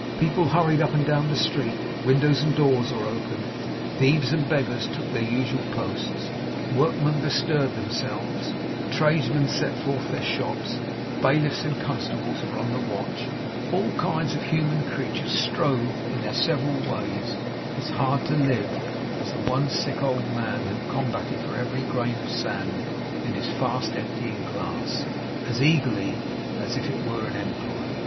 People hurried up and down the street; windows and doors were opened; thieves and beggars took their usual posts; workmen bestirred themselves; tradesmen set forth their shops; bailiffs and constables were on the watch; all kinds of human creatures strove, in their several ways, as hard to live, as the one sick old man who combated for every grain of sand in his fast emptying glass, as eagerly as if it were an empire.